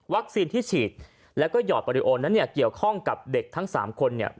ที่ฉีดแล้วก็หยอดบอริโอนั้นเนี่ยเกี่ยวข้องกับเด็กทั้ง๓คนเนี่ย